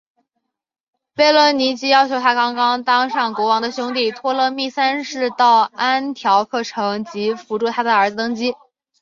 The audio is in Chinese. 贝勒尼基要求她刚刚当上国王的兄弟托勒密三世到安条克城及扶助她儿子登基。